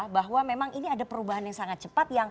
bahwa memang ini ada perubahan yang sangat cepat